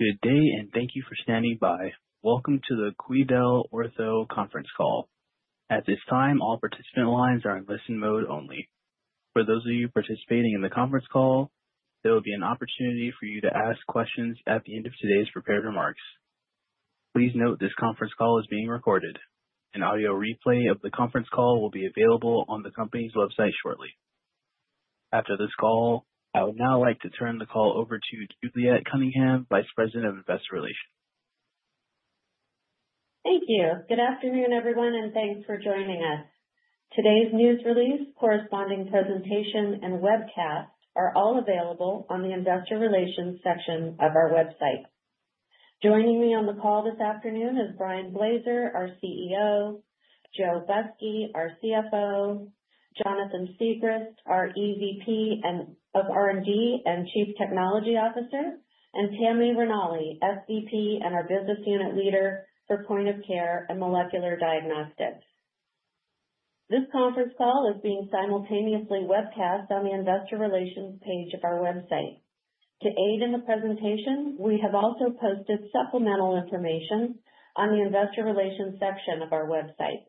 Good day, and thank you for standing by. Welcome to the QuidelOrtho Conference Call. At this time, all participant lines are in listen mode only. For those of you participating in the conference call, there will be an opportunity for you to ask questions at the end of today's prepared remarks. Please note this conference call is being recorded. An audio replay of the conference call will be available on the company's website shortly. After this call, I would now like to turn the call over to Juliet Cunningham, Vice President of Investor Relations. Thank you. Good afternoon, everyone, and thanks for joining us. Today's news release, corresponding presentation, and webcast are all available on the Investor Relations section of our website. Joining me on the call this afternoon is Brian Blaser, our CEO, Joe Busky, our CFO, Jonathan Segrest, our EVP of R&D and Chief Technology Officer, and Tammy Ranalli, SVP and our Business Unit Leader for Point of Care and Molecular Diagnostics. This conference call is being simultaneously webcast on the Investor Relations page of our website. To aid in the presentation, we have also posted supplemental information on the Investor Relations section of our website.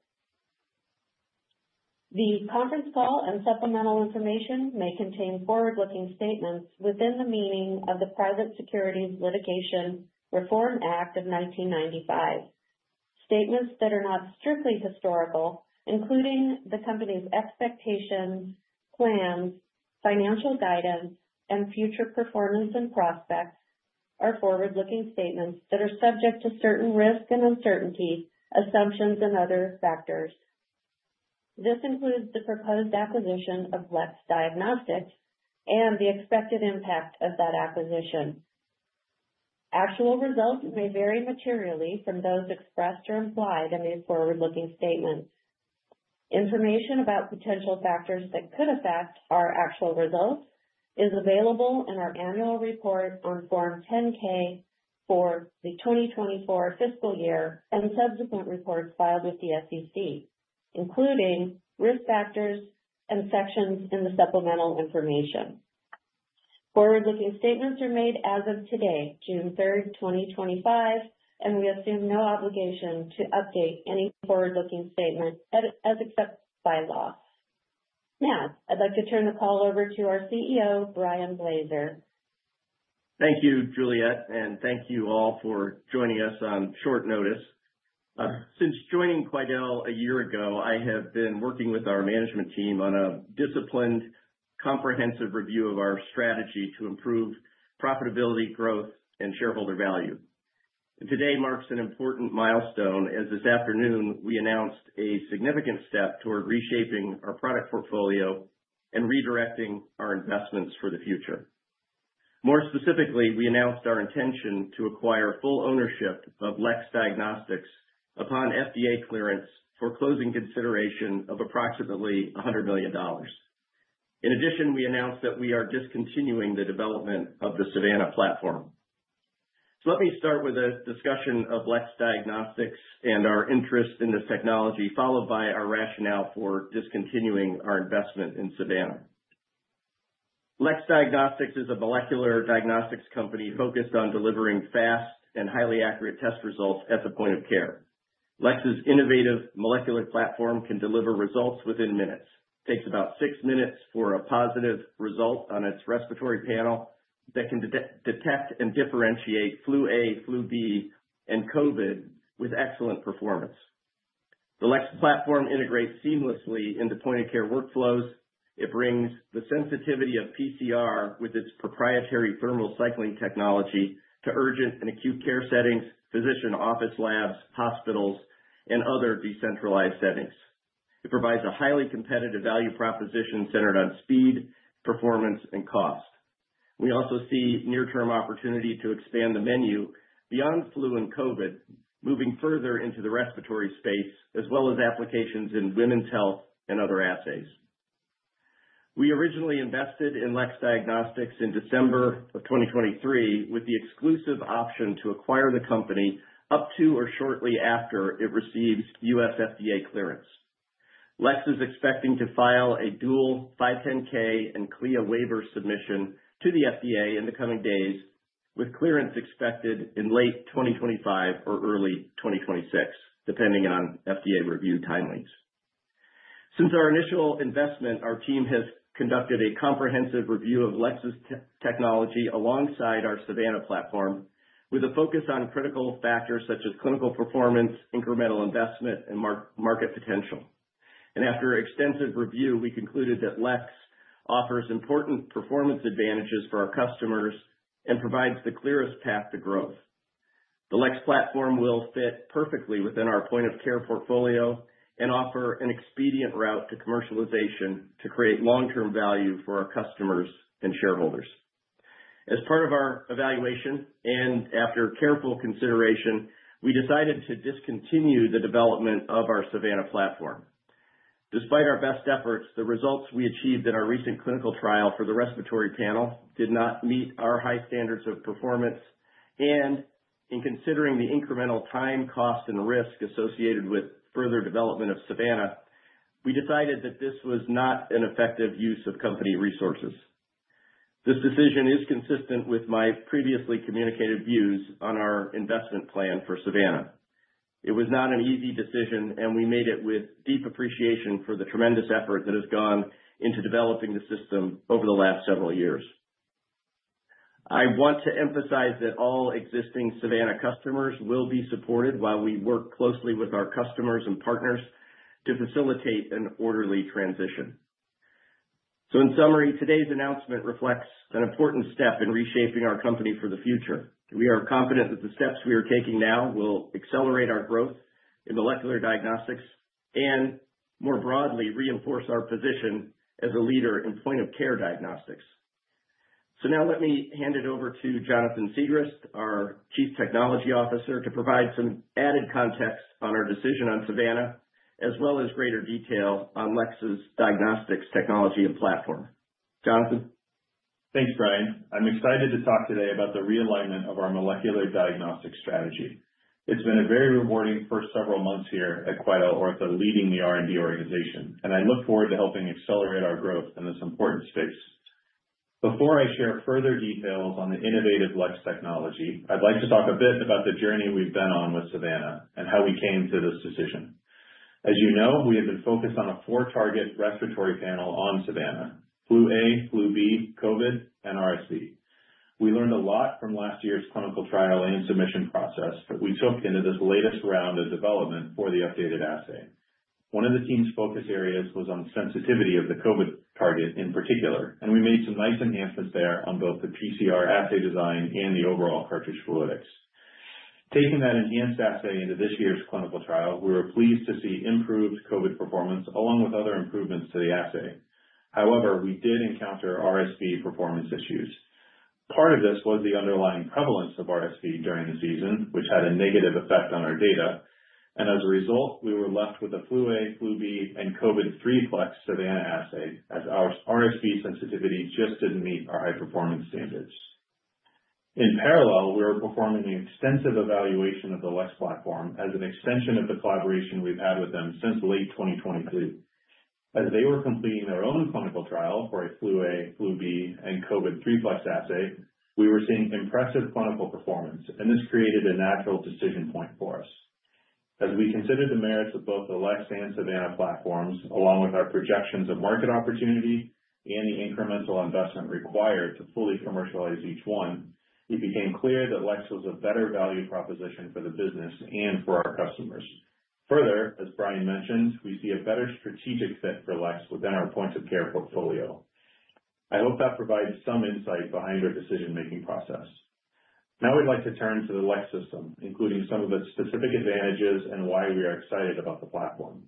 The conference call and supplemental information may contain forward-looking statements within the meaning of the Private Securities Litigation Reform Act of 1995. Statements that are not strictly historical, including the company's expectations, plans, financial guidance, and future performance and prospects, are forward-looking statements that are subject to certain risk and uncertainty, assumptions, and other factors. This includes the proposed acquisition of LEX Diagnostics and the expected impact of that acquisition. Actual results may vary materially from those expressed or implied in these forward-looking statements. Information about potential factors that could affect our actual results is available in our annual report on Form 10-K for the 2024 fiscal year and subsequent reports filed with the SEC, including risk factors and sections in the supplemental information. Forward-looking statements are made as of today, June 3rd, 2025, and we assume no obligation to update any forward-looking statement as accepted by law. Now, I'd like to turn the call over to our CEO, Brian Blaser. Thank you, Juliet, and thank you all for joining us on short notice. Since joining QuidelOrtho a year ago, I have been working with our management team on a disciplined, comprehensive review of our strategy to improve profitability, growth, and shareholder value. Today marks an important milestone as this afternoon we announced a significant step toward reshaping our product portfolio and redirecting our investments for the future. More specifically, we announced our intention to ac quire full ownership of LEX Diagnostics upon FDA clearance for closing consideration of approximately $100 million. In addition, we announced that we are discontinuing the development of the Savanna platform. Let me start with a discussion of LEX Diagnostics and our interest in this technology, followed by our rationale for discontinuing our investment in Savanna. LEX Diagnostics is a molecular diagnostics company focused on delivering fast and highly accurate test results at the point of care. LEX innovative molecular platform can deliver results within minutes. It takes about six minutes for a positive result on its respiratory panel that can detect and differentiate Flu A, Flu B, and COVID with excellent performance. The LEX platform integrates seamlessly into point-of-care workflows. It brings the sensitivity of PCR with its proprietary thermal cycling technology to urgent and acute care settings, physician office labs, hospitals, and other decentralized settings. It provides a highly competitive value proposition centered on speed, performance, and cost. We also see near-term opportunity to expand the menu beyond flu and COVID, moving further into the respiratory space, as well as applications in women's health and other assays. We originally invested in LEX Diagnostics in December of 2023 with the exclusive option to acquire the company up to or shortly after it receives U.S. FDA clearance. LEX is expecting to file a dual 510(k) and CLIA waiver submission to the FDA in the coming days, with clearance expected in late 2025 or early 2026, depending on FDA review timelines. Since our initial investment, our team has conducted a comprehensive review of LEX's technology alongside our Savanna platform, with a focus on critical factors such as clinical performance, incremental investment, and market potential. After extensive review, we concluded that LEX offers important performance advantages for our customers and provides the clearest path to growth. The LEX platform will fit perfectly within our point-of-care portfolio and offer an expedient route to commercialization to create long-term value for our customers and shareholders. As part of our evaluation and after careful consideration, we decided to discontinue the development of our Savanna platform. Despite our best efforts, the results we achieved in our recent clinical trial for the respiratory panel did not meet our high standards of performance. In considering the incremental time, cost, and risk associated with further development of Savanna, we decided that this was not an effective use of company resources. This decision is consistent with my previously communicated views on our investment plan for Savanna. It was not an easy decision, and we made it with deep appreciation for the tremendous effort that has gone into developing the system over the last several years. I want to emphasize that all existing Savanna customers will be supported while we work closely with our customers and partners to facilitate an orderly transition. In summary, today's announcement reflects an important step in reshaping our company for the future. We are confident that the steps we are taking now will accelerate our growth in molecular diagnostics and, more broadly, reinforce our position as a leader in point-of-care diagnostics. Now let me hand it over to Jonathan Segrest, our Chief Technology Officer, to provide some added context on our decision on Savanna, as well as greater detail on LEX's Diagnostics' technology and platform. Jonathan. Thanks, Brian. I'm excited to talk today about the realignment of our molecular diagnostics strategy. It's been a very rewarding first several months here at QuidelOrtho leading the R&D organization, and I look forward to helping accelerate our growth in this important space. Before I share further details on the innovative LEX technology, I'd like to talk a bit about the journey we've been on with Savanna and how we came to this decision. As you know, we have been focused on a four-target respiratory panel on Savanna: Flu A, Flu B, COVID, and RSV. We learned a lot from last year's clinical trial and submission process that we took into this latest round of development for the updated assay. One of the team's focus areas was on sensitivity of the COVID target in particular, and we made some nice enhancements there on both the PCR assay design and the overall cartridge fluidics. Taking that enhanced assay into this year's clinical trial, we were pleased to see improved COVID performance along with other improvements to the assay. However, we did encounter RSV performance issues. Part of this was the underlying prevalence of RSV during the season, which had a negative effect on our data. As a result, we were left with a Flu A, Flu B, and COVID-3 f Savanna assay as our RSV sensitivity just did not meet our high-performance standards. In parallel, we were performing an extensive evaluation of the LEX platform as an extension of the collaboration we have had with them since late 2023. As they were completing their own clinical trial for a Flu A, Flu B, and COVID 3+ assay, we were seeing impressive clinical performance, and this created a natural decision point for us. As we considered the merits of both the LEX and Savanna platforms, along with our projections of market opportunity and the incremental investment required to fully commercialize each one, it became clear that LEX was a better value proposition for the business and for our customers. Further, as Brian mentioned, we see a better strategic fit for LEX within our point-of-care portfolio. I hope that provides some insight behind our decision-making process. Now we would like to turn to the LEX system, including some of its specific advantages and why we are excited about the platform.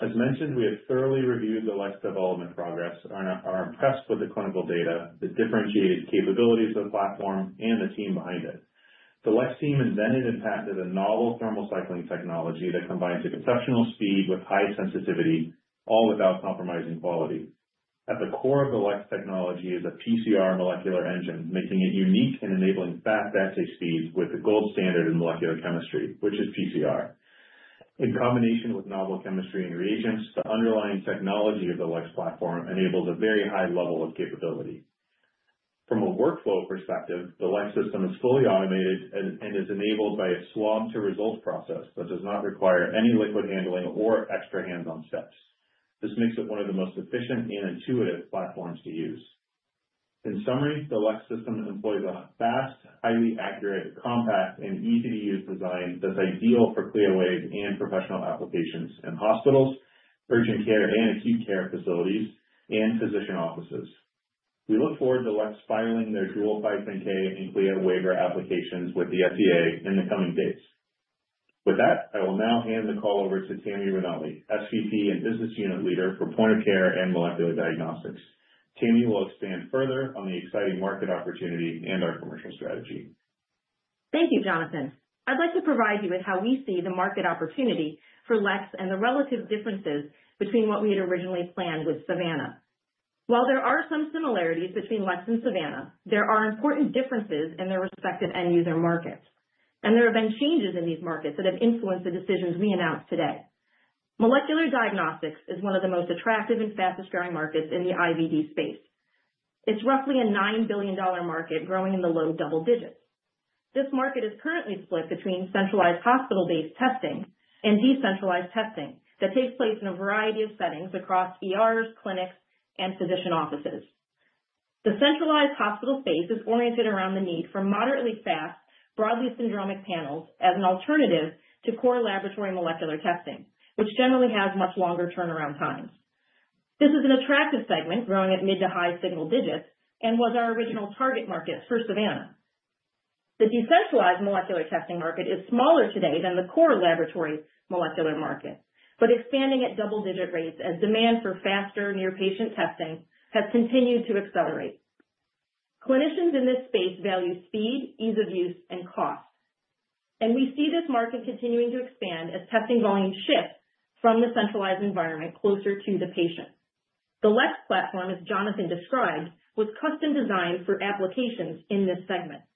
As mentioned, we have thoroughly reviewed the LEX development progress, are impressed with the clinical data, the differentiated capabilities of the platform, and the team behind it. The LEX team invented and patented a novel thermal cycling technology that combines exceptional speed with high sensitivity, all without compromising quality. At the core of the LEX technology is a PCR molecular engine, making it unique in enabling fast assay speeds with the gold standard in molecular chemistry, which is PCR. In combination with novel chemistry and reagents, the underlying technology of the LEX platform enables a very high level of capability. From a workflow perspective, the LEX system is fully automated and is enabled by a swab-to-result process that does not require any liquid handling or extra hands-on steps. This makes it one of the most efficient and intuitive platforms to use. In summary, the LEX system employs a fast, highly accurate, compact, and easy-to-use design that is ideal for CLIA waivers and professional applications in hospitals, urgent care and acute care facilities, and physician offices. We look forward to LEX filing their dual 510(k) and CLIA waiver applications with the FDA in the coming days. With that, I will now hand the call over to Tammy Ranalli, SVP and Business Unit Leader for Point of Care and Molecular Diagnostics. Tammy will expand further on the exciting market opportunity and our commercial strategy. Thank you, Jonathan. I'd like to provide you with how we see the market opportunity for LEX and the relative differences between what we had originally planned with Savanna. While there are some similarities between LEX and Savanna, there are important differences in their respective end-user markets. There have been changes in these markets that have influenced the decisions we announced today. Molecular diagnostics is one of the most attractive and fastest-growing markets in the IVD space. It's roughly a $9 billion market growing in the low double digits. This market is currently split between centralized hospital-based testing and decentralized testing that takes place in a variety of settings across ERs, clinics, and physician offices. The centralized hospital space is oriented around the need for moderately fast, broadly syndromic panels as an alternative to core laboratory molecular testing, which generally has much longer turnaround times. This is an attractive segment growing at mid to high single digits and was our original target market for Savanna. The decentralized molecular testing market is smaller today than the core laboratory molecular market, but expanding at double-digit rates as demand for faster near-patient testing has continued to accelerate. Clinicians in this space value speed, ease of use, and cost. We see this market continuing to expand as testing volume shifts from the centralized environment closer to the patient. The LEX platform, as Jonathan described, was custom designed for applications in this segment.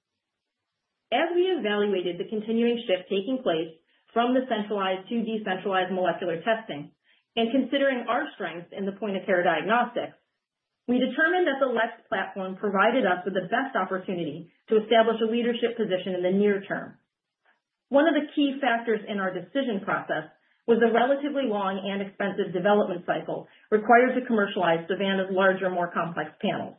As we evaluated the continuing shift taking place from the centralized to decentralized molecular testing and considering our strengths in the point-of-care diagnostics, we determined that the LEX platform provided us with the best opportunity to establish a leadership position in the near term. One of the key factors in our decision process was the relatively long and expensive development cycle required to commercialize Savanna's larger, more comp LEX panels.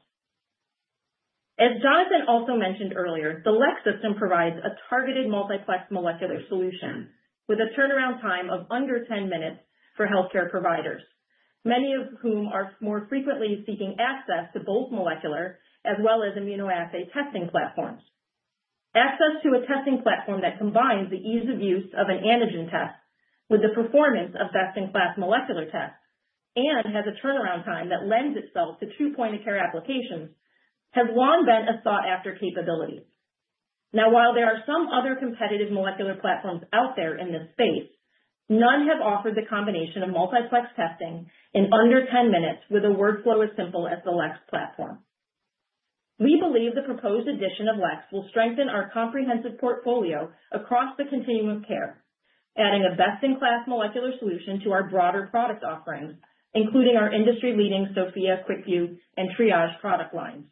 As Jonathan also mentioned earlier, the LEX system provides a targeted multi LEX molecular solution with a turnaround time of under 10 minutes for healthcare providers, many of whom are more frequently seeking access to both molecular as well as immunoassay testing platforms. Access to a testing platform that combines the ease of use of an antigen test with the performance of best-in-class molecular tests and has a turnaround time that lends itself to two point-of-care applications has long been a sought-after capability. Now, while there are some other competitive molecular platforms out there in this space, none have offered the combination of multi LEX testing in under 10 minutes with a workflow as simple as the LEX platform. We believe the proposed addition of LEX will strengthen our comprehensive portfolio across the continuum of care, adding a best-in-class molecular solution to our broader product offerings, including our industry-leading Sophia, QuickVue, and Triage product lines.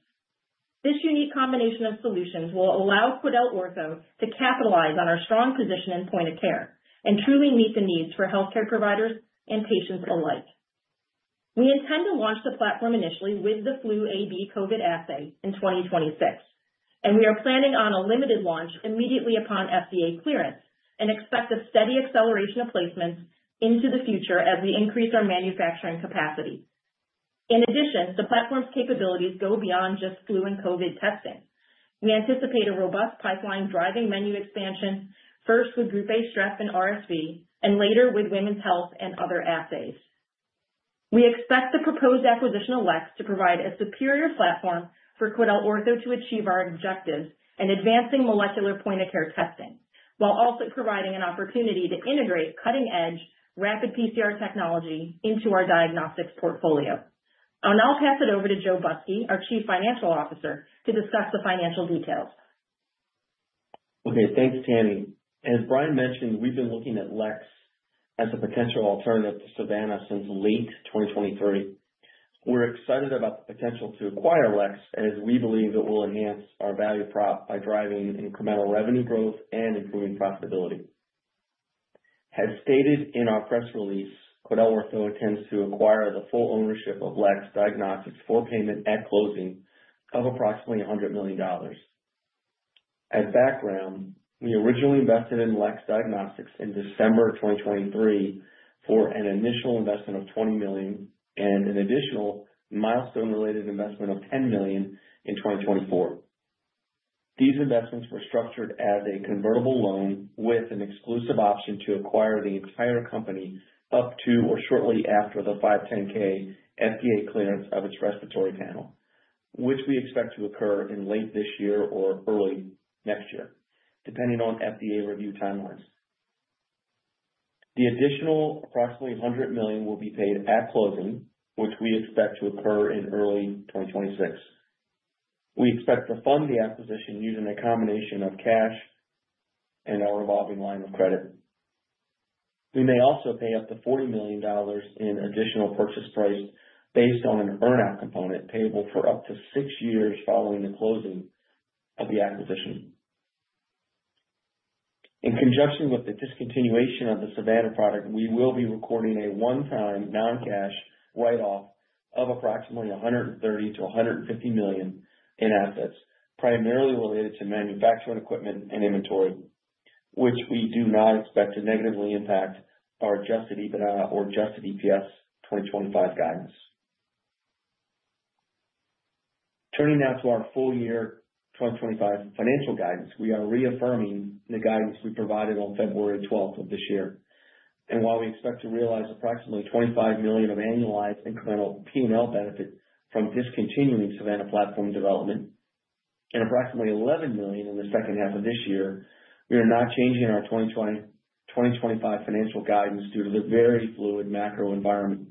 This unique combination of solutions will allow QuidelOrtho to capitalize on our strong position in point-of-care and truly meet the needs for healthcare providers and patients alike. We intend to launch the platform initially with the Flu A, Flu B, COVID assay in 2026, and we are planning on a limited launch immediately upon FDA clearance and expect a steady acceleration of placements into the future as we increase our manufacturing capacity. In addition, the platform's capabilities go beyond just flu and COVID testing. We anticipate a robust pipeline driving menu expansion, first with group A strep and RSV, and later with women's health and other assays. We expect the proposed acquisition of LEX to provide a superior platform for QuidelOrtho to achieve our objectives in advancing molecular point-of-care testing, while also providing an opportunity to integrate cutting-edge rapid PCR technology into our diagnostics portfolio. I'll now pass it over to Joe Busky, our Chief Financial Officer, to discuss the financial details. Okay, thanks, Tammy. As Brian mentioned, we've been looking at LEX as a potential alternative to Savanna since late 2023. We're excited about the potential to acquire LEX, as we believe it will enhance our value prop by driving incremental revenue growth and improving profitability. As stated in our press release, QuidelOrtho intends to acquire the full ownership of LEX Diagnostics for payment at closing of approximately $100 million. As background, we originally invested in LEX Diagnostics in December 2023 for an initial investment of $20 million and an additional milestone-related investment of $10 million in 2024. These investments were structured as a convertible loan with an exclusive option to acquire the entire company up to or shortly after the 510(k) FDA clearance of its respiratory panel, which we expect to occur in late this year or early next year, depending on FDA review timelines. The additional approximately $100 million will be paid at closing, which we expect to occur in early 2026. We expect to fund the acquisition using a combination of cash and our revolving line of credit. We may also pay up to $40 million in additional purchase price based on an earnout component payable for up to six years following the closing of the acquisition. In conjunction with the discontinuation of the Savanna product, we will be recording a one-time non-cash write-off of approximately $130 million-$150 million in assets, primarily related to manufacturing equipment and inventory, which we do not expect to negatively impact our adjusted EBITDA or adjusted EPS 2025 guidance. Turning now to our full year 2025 financial guidance, we are reaffirming the guidance we provided on February 12th of this year. While we expect to realize approximately $25 million of annualized incremental P&L benefit from discontinuing Savanna platform development and approximately $11 million in the second half of this year, we are not changing our 2025 financial guidance due to the very fluid macro environment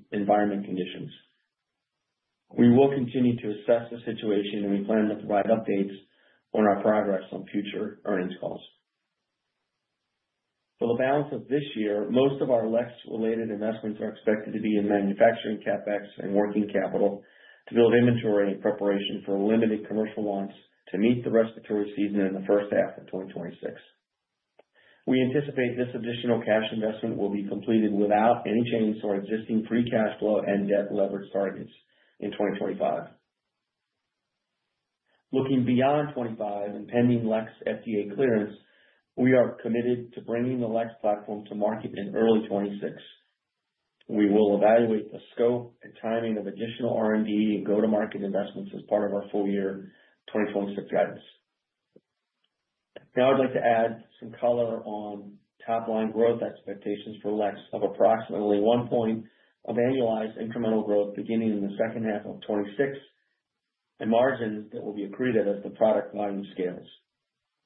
conditions. We will continue to assess the situation, and we plan to provide updates on our progress on future earnings calls. For the balance of this year, most of our LEX-related investments are expected to be in manufacturing CapEx and working capital to build inventory in preparation for limited commercial launch to meet the respiratory season in the first half of 2026. We anticipate this additional cash investment will be completed without any change to our existing free cash flow and debt leverage targets in 2025. Looking beyond 2025 and pending LEX FDA clearance, we are committed to bringing the LEX platform to market in early 2026. We will evaluate the scope and timing of additional R&D and go-to-market investments as part of our full year 2026 guidance. Now, I'd like to add some color on top-line growth expectations for LEX of approximately one point of annualized incremental growth beginning in the second half of 2026 and margins that will be accreted as the product volume scales,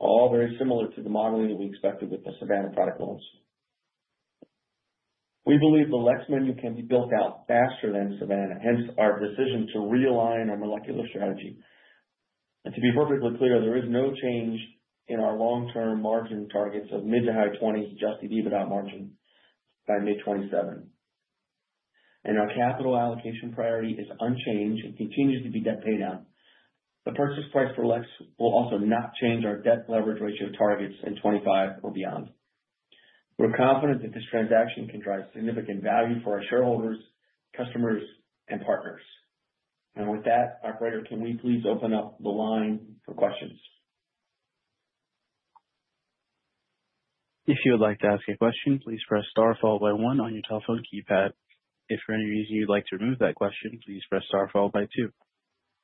all very similar to the modeling that we expected with the Savanna product lines. We believe the LEX menu can be built out faster than Savanna, hence our decision to realign our molecular strategy. And to be perfectly clear, there is no change in our long-term margin targets of mid to high 20s adjusted EBITDA margin by May 2027. Our capital allocation priority is unchanged and continues to be debt paydown. The purchase price for LEX will also not change our debt leverage ratio targets in 2025 or beyond. We're confident that this transaction can drive significant value for our shareholders, customers, and partners. And with operator, can we please open up the line for questions? If you would like to ask a question, please press star followed by one on your telephone keypad. If for any reason you'd like to remove that question, please press star followed by two.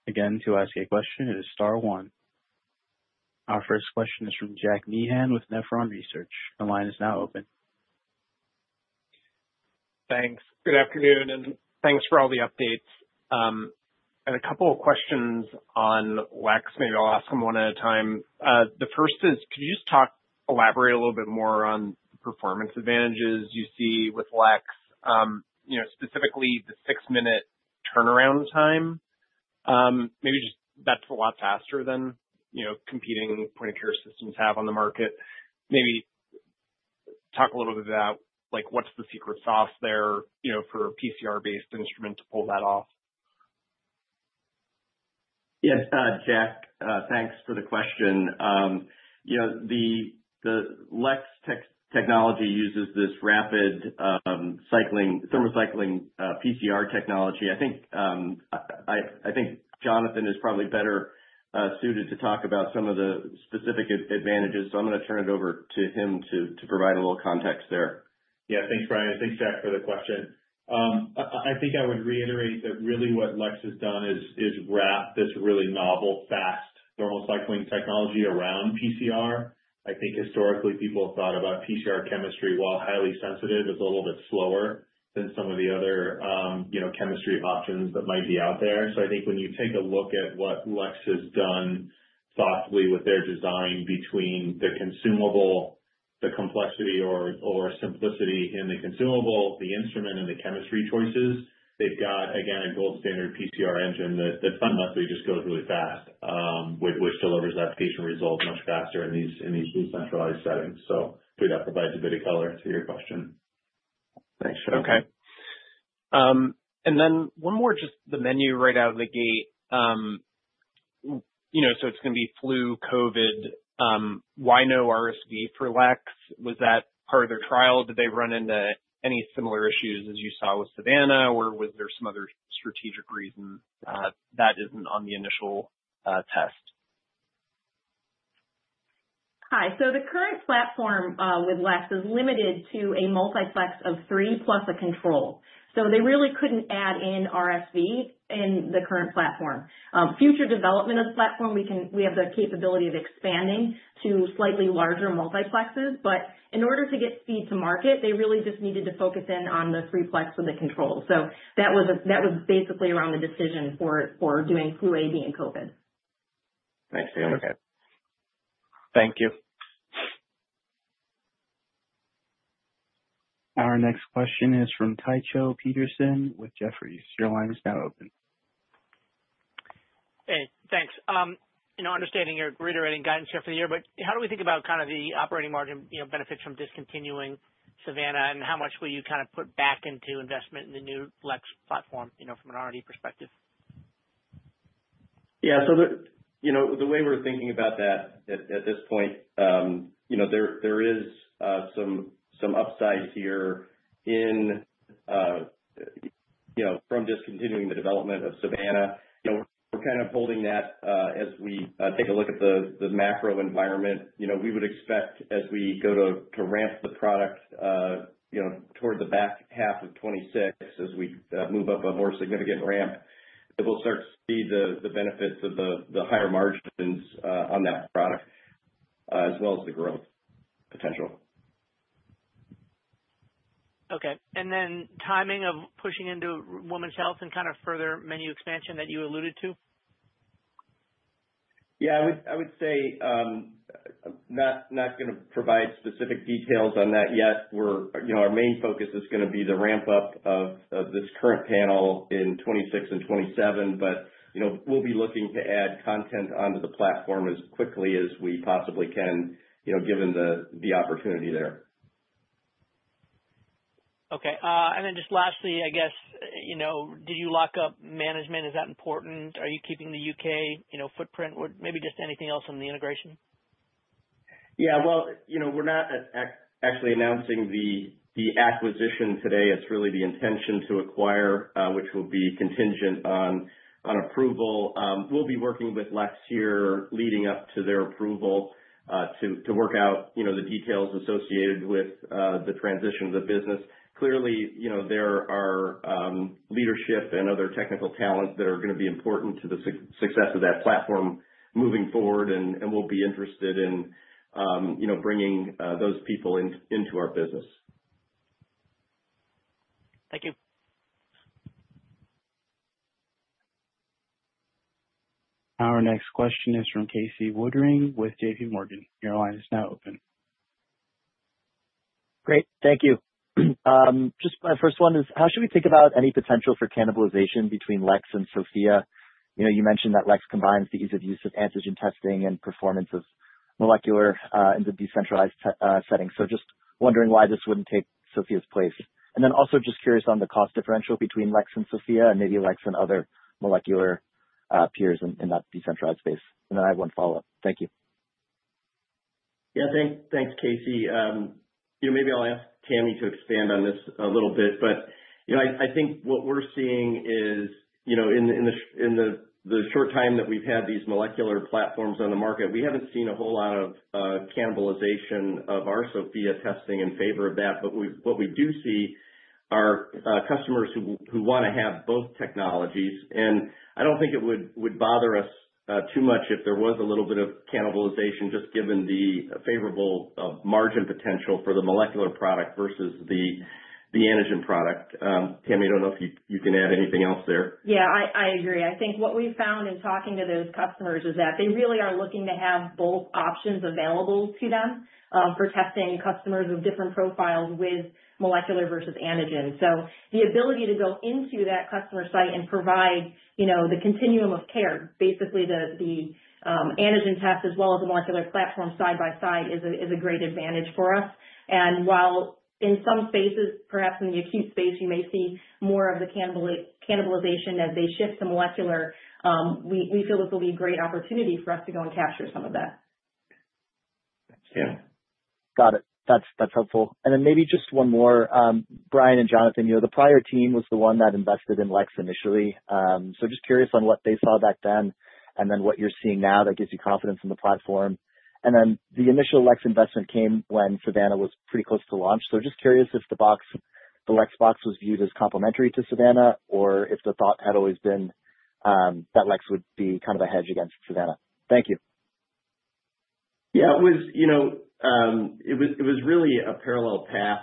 Again, to ask a question, it is star one. Our first question is from Jack Meehan with Nephron Research. The line is now open. Thanks. Good afternoon, and thanks for all the updates. I had a couple of questions on LEX. Maybe I'll ask them one at a time. The first is, could you just elaborate a little bit more on the performance advantages you see with LEX, specifically the six-minute turnaround time? Maybe just that's a lot faster than competing point-of-care systems have on the market. Maybe talk a little bit about what's the secret sauce there for a PCR-based instrument to pull that off? Yes, Jack, thanks for the question. The LEX technology uses this rapid thermal cycling PCR technology. I think Jonathan is probably better suited to talk about some of the specific advantages. I am going to turn it over to him to provide a little context there. Yeah, thanks, Brian. Thanks, Jack, for the question. I think I would reiterate that really what LEX has done is wrap this really novel fast thermal cycling technology around PCR. I think historically people have thought about PCR chemistry, while highly sensitive, is a little bit slower than some of the other chemistry options that might be out there. I think when you take a look at what LEX has done thoughtfully with their design between the consumable, the complexity or simplicity in the consumable, the instrument, and the chemistry choices, they've got, again, a gold standard PCR engine that fundamentally just goes really fast, which delivers that patient result much faster in these decentralized settings. I think that provides a bit of color to your question. Thanks, Jonathan. Okay. One more, just the menu right out of the gate. It's going to be flu, COVID, RSV for LEX. Was that part of their trial? Did they run into any similar issues as you saw with Savanna, or was there some other strategic reason that isn't on the initial test? Hi. The current platform with LEX is limited to a multi of 3+ a control. They really could not add in RSV in the current platform. Future development of the platform, we have the capability of expanding to slightly larger multiples. In order to get speed to market, they really just needed to focus in on the 3+ with the control. That was basically around the decision for doing Flu A, Flu B and COVID. Thanks, Tammy. Okay. Thank you. Our next question is from Tycho Peterson with Jefferies. Your line is now open. Hey, thanks. Understanding your reiterating guidance here for the year, but how do we think about kind of the operating margin benefits from discontinuing Savanna and how much will you kind of put back into investment in the new LEX platform from an R&D perspective? Yeah. So the way we're thinking about that at this point, there is some upside here from discontinuing the development of Savanna. We're kind of holding that as we take a look at the macro environment. We would expect as we go to ramp the product toward the back half of 2026, as we move up a more significant ramp, that we'll start to see the benefits of the higher margins on that product as well as the growth potential. Okay. And then timing of pushing into women's health and kind of further menu expansion that you alluded to? Yeah, I would say not going to provide specific details on that yet. Our main focus is going to be the ramp-up of this current panel in 2026 and 2027, but we'll be looking to add content onto the platform as quickly as we possibly can, given the opportunity there. Okay. And then just lastly, I guess, did you lock up management? Is that important? Are you keeping the U.K. footprint? Maybe just anything else on the integration? Yeah. We're not actually announcing the acquisition today. It's really the intention to acquire, which will be contingent on approval. We'll be working with LEX here leading up to their approval to work out the details associated with the transition of the business. Clearly, there are leadership and other technical talents that are going to be important to the success of that platform moving forward, and we'll be interested in bringing those people into our business. Thank you. Our next question is from Casey Woodring with JPMorgan. Your line is now open. Great. Thank you. Just my first one is, how should we think about any potential for cannibalization between LEX and Sophia? You mentioned that LEX combines the ease of use of antigen testing and performance of molecular in the decentralized setting. Just wondering why this would not take Sophia's place? Also just curious on the cost differential between LEX and Sophia and maybe LEX and other molecular peers in that decentralized space? I have one follow-up. Thank you. Yeah, thanks, Casey. Maybe I'll ask Tammy to expand on this a little bit, but I think what we're seeing is in the short time that we've had these molecular platforms on the market, we haven't seen a whole lot of cannibalization of our Sophia testing in favor of that. What we do see are customers who want to have both technologies. I don't think it would bother us too much if there was a little bit of cannibalization just given the favorable margin potential for the molecular product versus the antigen product. Tammy, I don't know if you can add anything else there. Yeah, I agree. I think what we found in talking to those customers is that they really are looking to have both options available to them for testing customers of different profiles with molecular versus antigen. The ability to go into that customer site and provide the continuum of care, basically the antigen test as well as the molecular platform side by side, is a great advantage for us. While in some spaces, perhaps in the acute space, you may see more of the cannibalization as they shift to molecular, we feel this will be a great opportunity for us to go and capture some of that. Got it. That is helpful. Maybe just one more. Brian and Jonathan, the prior team was the one that invested in LEX initially. Just curious on what they saw back then and what you are seeing now that gives you confidence in the platform. The initial LEX investment came when Savanna was pretty close to launch. Just curious if the LEX box was viewed as complementary to Savanna or if the thought had always been that LEX would be kind of a hedge against Savanna? Thank you. Yeah, it was really a parallel path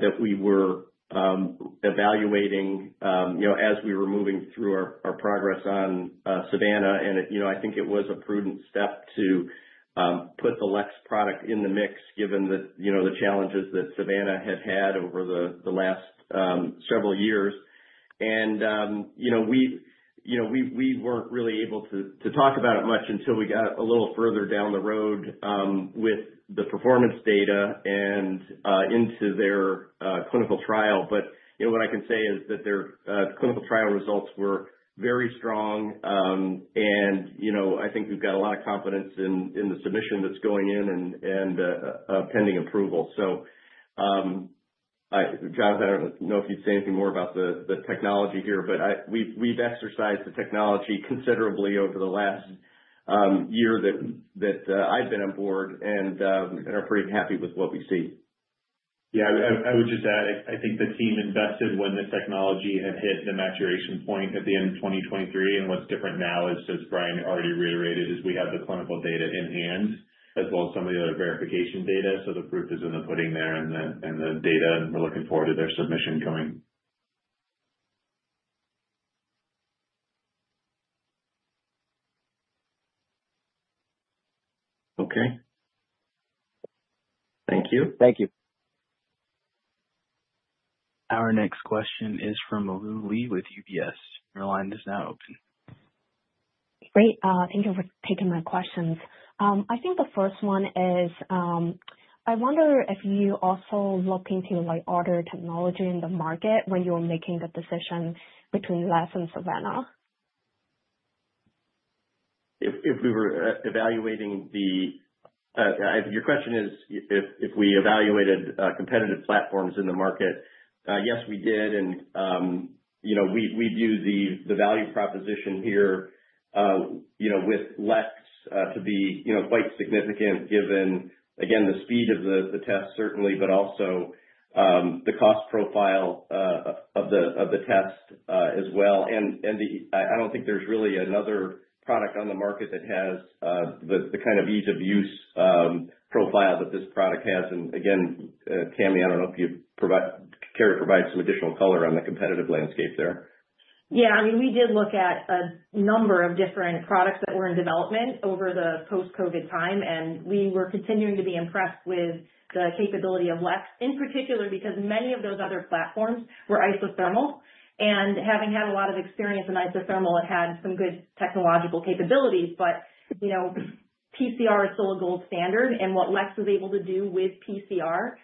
that we were evaluating as we were moving through our progress on Savanna. I think it was a prudent step to put the LEX product in the mix given the challenges that Savanna had had over the last several years. We were not really able to talk about it much until we got a little further down the road with the performance data and into their clinical trial. What I can say is that their clinical trial results were very strong. I think we have got a lot of confidence in the submission that is going in and pending approval. Jonathan, I do not know if you would say anything more about the technology here, but we have exercised the technology considerably over the last year that I have been on board and are pretty happy with what we see. Yeah, I would just add, I think the team invested when the technology had hit the maturation point at the end of 2023. What's different now is, as Brian already reiterated, we have the clinical data in hand as well as some of the other verification data. The proof is in the pudding there and the data, and we're looking forward to their submission coming. Okay. Thank you. Thank you. Our next question is from Lu Li with UBS. Your line is now open. Great. Thank you for taking my questions. I think the first one is, I wonder if you also look into other technology in the market when you were making the decision between LEX and Savanna? If we were evaluating, your question is if we evaluated competitive platforms in the market, yes, we did. We view the value proposition here with LEX to be quite significant given, again, the speed of the test, certainly, but also the cost profile of the test as well. I do not think there is really another product on the market that has the kind of ease of use profile that this product has. Again, Tammy, I do not know if you care to provide some additional color on the competitive landscape there. Yeah. I mean, we did look at a number of different products that were in development over the post-COVID time, and we were continuing to be impressed with the capability of LEX in particular because many of those other platforms were isothermal. I mean, having had a lot of experience in isothermal, it had some good technological capabilities. But you know PCR is still a gold standard. What LEX was able to do with PCR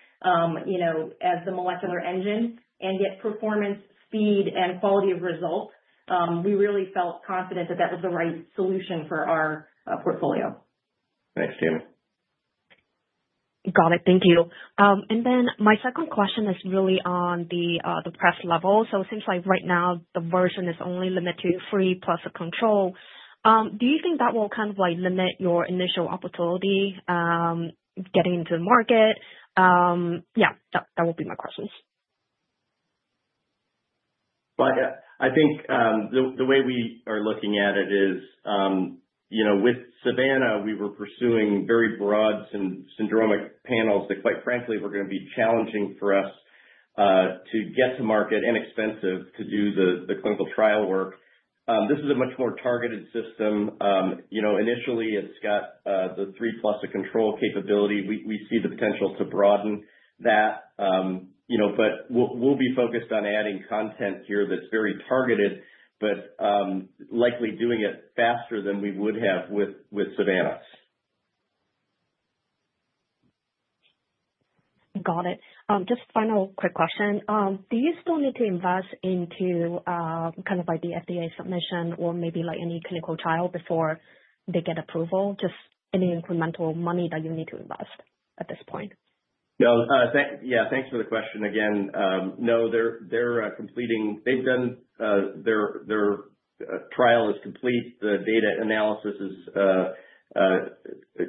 you know as the molecular engine and get performance, speed, and quality of result, we really felt confident that that was the right solution for our portfolio. Thanks, Tammy. Got it. Thank you. My second question is really on the press level. It seems like right now the version is only limited to three plus a control. Do you think that will kind of limit your initial opportunity getting into the market? That will be my questions. I think the way we are looking at it is with Savanna, we were pursuing very broad syndromic panels that, quite frankly, were going to be challenging for us to get to market and expensive to do the clinical trial work. This is a much more targeted system. Initially, it's got the 3+ a control capability. We see the potential to broaden that. We will be focused on adding content here that's very targeted, but likely doing it faster than we would have with Savanna. Got it. Just final quick question. Do you still need to invest into kind of the FDA submission or maybe any clinical trial before they get approval? Just any incremental money that you need to invest at this point? Yeah. Thanks for the question again. No, they're completing. They've done their trial is complete. The data analysis is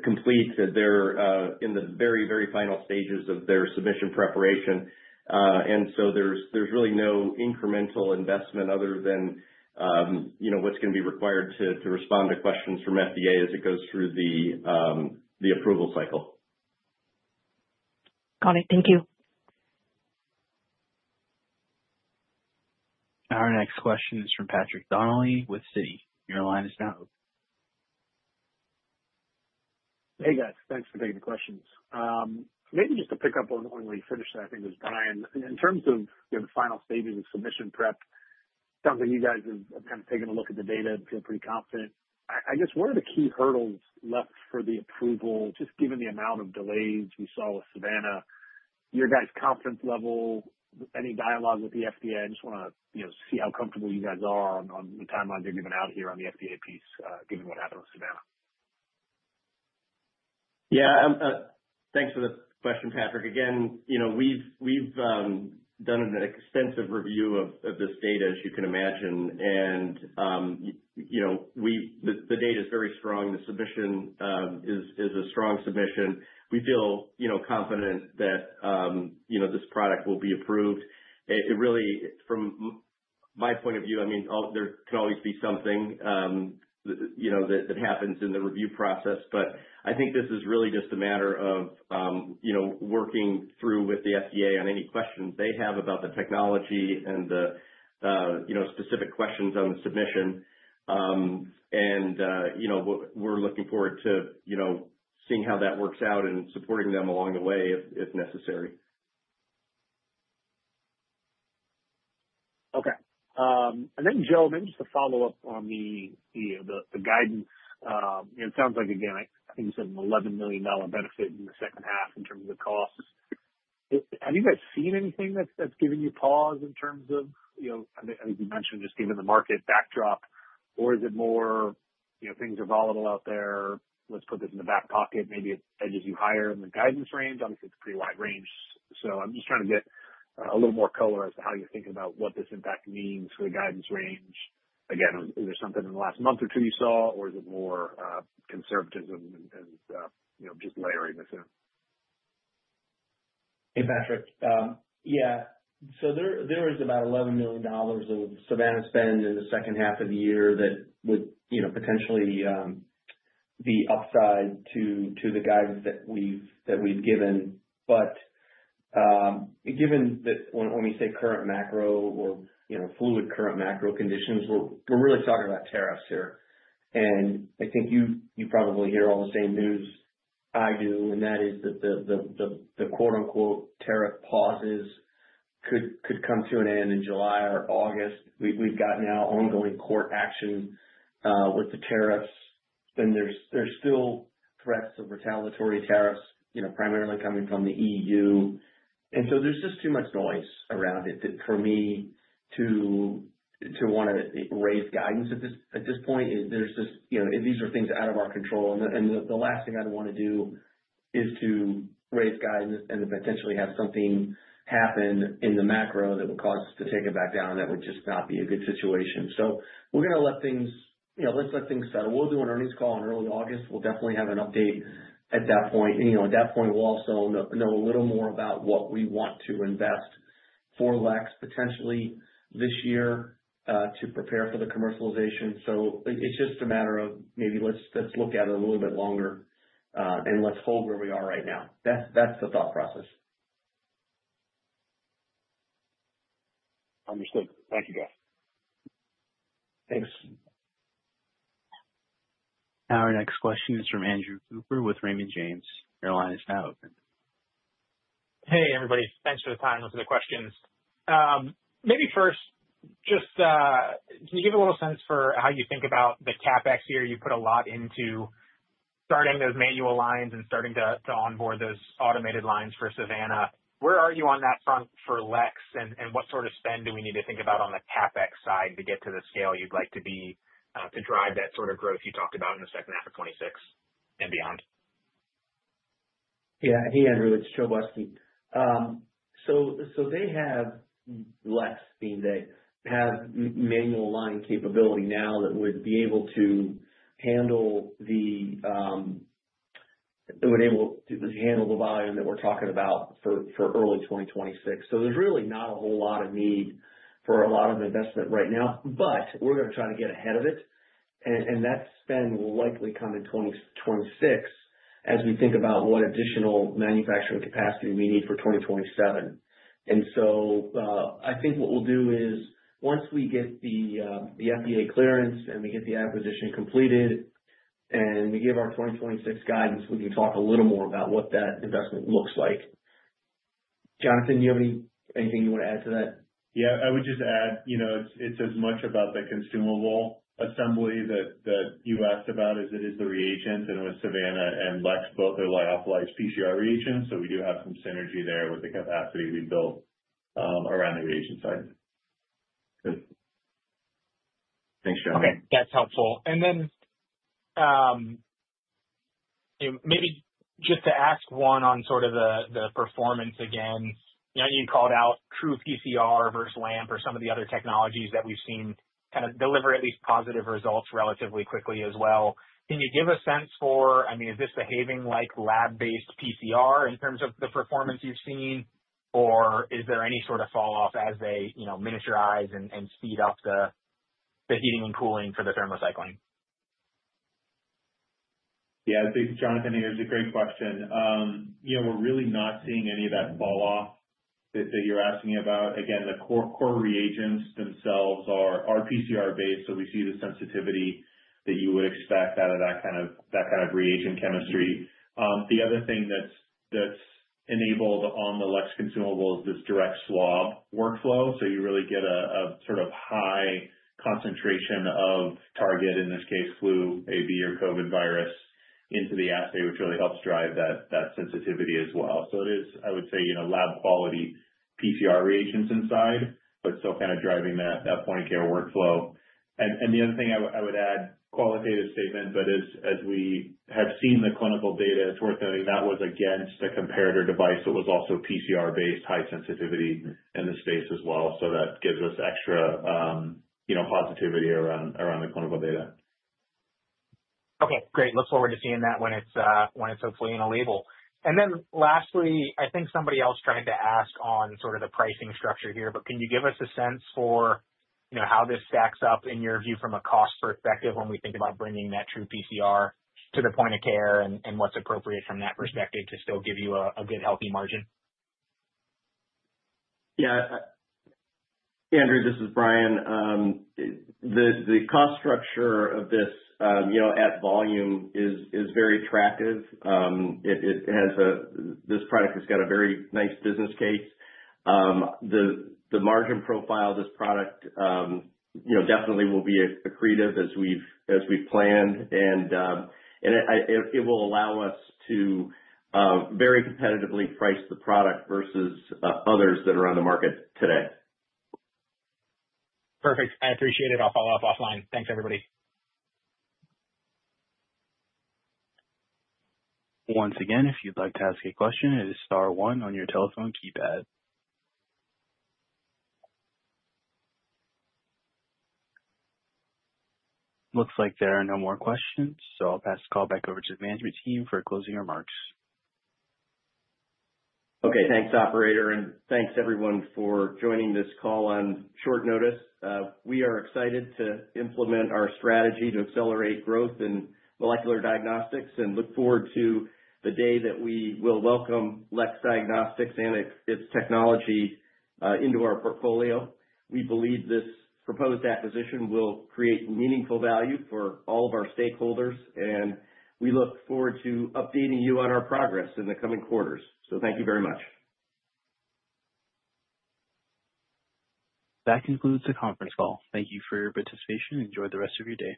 complete. They're in the very, very final stages of their submission preparation. There is really no incremental investment other than what's going to be required to respond to questions from FDA as it goes through the approval cycle. Got it. Thank you. Our next question is from Patrick Donnelly with Citi. Your line is now open. Hey, guys. Thanks for taking the questions. Maybe just to pick up on when we finished that, I think, was Brian. In terms of the final stages of submission prep, it sounds like you guys have kind of taken a look at the data and feel pretty confident. I guess what are the key hurdles left for the approval? Just given the amount of delays we saw with Savanna, your guys' confidence level, any dialogue with the FDA? I just want to see how comfortable you guys are on the timeline they're giving out here on the FDA piece, given what happened with Savanna. Yeah. Thanks for the question, Patrick. Again, we've done an extensive review of this data, as you can imagine. The data is very strong. The submission is a strong submission. We feel confident that this product will be approved. Really, from my point of view, I mean, there can always be something that happens in the review process. I think this is really just a matter of working through with the FDA on any questions they have about the technology and the specific questions on the submission. We're looking forward to seeing how that works out and supporting them along the way if necessary. Okay. Joe, maybe just a follow-up on the guidance. It sounds like, again, I think you said an $11 million benefit in the second half in terms of costs. Have you guys seen anything that's given you pause in terms of, I think you mentioned, just given the market backdrop? Is it more things are volatile out there? Let's put this in the back pocket. Maybe it edges you higher in the guidance range. Obviously, it's a pretty wide range. I'm just trying to get a little more color as to how you're thinking about what this impact means for the guidance range. Again, is there something in the last month or two you saw, or is it more conservatism and just layering this in? Hey, Patrick. Yeah. There is about $11 million of Savanna spend in the second half of the year that would potentially be upside to the guidance that we've given. Given that when we say current macro or fluid current macro conditions, we're really talking about tariffs here. I think you probably hear all the same news I do, and that is that the "tariff pauses" could come to an end in July or August. We've got now ongoing court action with the tariffs. There are still threats of retaliatory tariffs primarily coming from the EU. There is just too much noise around it for me to want to raise guidance at this point. These are things out of our control. The last thing I'd want to do is to raise guidance and to potentially have something happen in the macro that would cause us to take it back down. That would just not be a good situation. We are going to let things settle. We'll do an earnings call in early August. We'll definitely have an update at that point. At that point, we'll also know a little more about what we want to invest for LEX potentially this year to prepare for the commercialization. It is just a matter of maybe looking at it a little bit longer and holding where we are right now. That is the thought process. Understood. Thank you, guys. Thanks. Our next question is from Andrew Cooper with Raymond James. Your line is now open. Hey, everybody. Thanks for the time and for the questions. Maybe first, just can you give a little sense for how you think about the CapEx here? You put a lot into starting those manual lines and starting to onboard those automated lines for Savanna. Where are you on that front for LEX? And what sort of spend do we need to think about on the CapEx side to get to the scale you'd like to be to drive that sort of growth you talked about in the second half of 2026 and beyond? Yeah. Hey, Andrew, it's Joe Busky. They have LEX, meaning they have manual line capability now that would be able to handle the volume that we're talking about for early 2026. There's really not a whole lot of need for a lot of investment right now. We're going to try to get ahead of it. That spend will likely come in 2026 as we think about what additional manufacturing capacity we need for 2027. I think what we'll do is once we get the FDA clearance and we get the acquisition completed and we give our 2026 guidance, we can talk a little more about what that investment looks like. Jonathan, do you have anything you want to add to that? Yeah, I would just add it's as much about the consumable assembly that you asked about as it is the reagent. With Savanna and LEX, both are lyophilized PCR reagents. We do have some synergy there with the capacity we built around the reagent side. Thanks, Jonathan. Okay. That's helpful. Maybe just to ask one on sort of the performance again. You called out true PCR versus LAMP or some of the other technologies that we've seen kind of deliver at least positive results relatively quickly as well. Can you give a sense for, I mean, is this behaving like lab-based PCR in terms of the performance you've seen? Is there any sort of falloff as they miniaturize and speed up the heating and cooling for the thermal cycling? Yeah. This is Jonathan here, it is a great question. We're really not seeing any of that falloff that you're asking about. Again, the core reagents themselves are PCR-based, so we see the sensitivity that you would expect out of that kind of reagent chemistry. The other thing that's enabled on the LEX consumable is this direct swab workflow. You really get a sort of high concentration of target, in this case, Flu A, Flu B, or COVID virus into the assay, which really helps drive that sensitivity as well. It is, I would say, lab-quality PCR reagents inside, but still kind of driving that point of care workflow. The other thing I would add, qualitative statement, but as we have seen the clinical data, it's worth noting that was against a comparator device that was also PCR-based, high sensitivity in the space as well. That gives us extra positivity around the clinical data. Okay. Great. Look forward to seeing that when it's hopefully in a label. Lastly, I think somebody else tried to ask on sort of the pricing structure here, but can you give us a sense for how this stacks up in your view from a cost perspective when we think about bringing that true PCR to the point-of-care and what's appropriate from that perspective to still give you a good healthy margin? Yeah. Andrew, this is Brian. The cost structure of this at volume is very attractive. This product has got a very nice business case. The margin profile of this product definitely will be accretive as we've planned. It will allow us to very competitively price the product versus others that are on the market today. Perfect. I appreciate it. I'll follow up offline. Thanks, everybody. Once again, if you'd like to ask a question, it is star one on your telephone keypad. Looks like there are no more questions, so I'll pass the call back over to the management team for closing remarks. Okay. Thanks, operator. Thanks, everyone, for joining this call on short notice. We are excited to implement our strategy to accelerate growth in molecular diagnostics and look forward to the day that we will welcome LEX Diagnostics and its technology into our portfolio. We believe this proposed acquisition will create meaningful value for all of our stakeholders. We look forward to updating you on our progress in the coming quarters. Thank you very much. That concludes the conference call. Thank you for your participation. Enjoy the rest of your day.